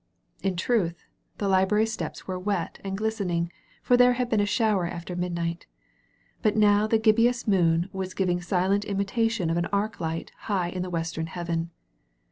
In truthy the Library Steps were wet and glis tening, for there had been a shower after midnight. But now the gibbous moon was giving a silent imi tation of an arc light high in the western heaven.